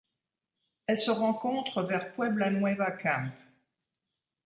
Elle se rencontre vers Puebla Nueva Camp.